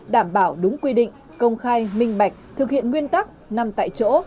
đảm bảo đúng quy định công khai minh bạch thực hiện nguyên tắc năm tại chỗ